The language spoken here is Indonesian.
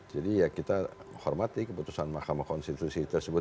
jadi ya kita hormati keputusan mahkamah konstitusi tersebut